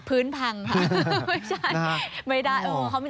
พื้นพังค่ะไม่ใช่